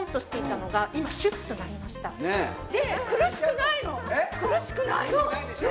苦しくないでしょ。